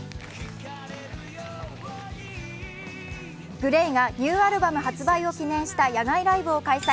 ＧＬＡＹがニューアルバム発売を記念した野外ライブを開催。